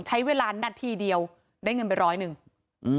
ใช้เวลานาทีเดียวได้เงินไปร้อยหนึ่งอืม